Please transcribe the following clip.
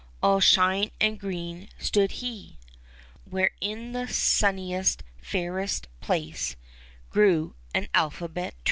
All shine and green, stood he. Where, in the sunniest, fairest place, Grew an Alphabet tree.